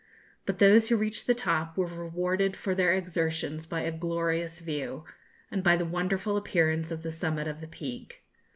But those who reached the top were rewarded for their exertions by a glorious view, and by the wonderful appearance of the summit of the Peak.